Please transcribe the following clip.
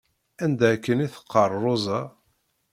Anda akken i teqqaṛ Roza?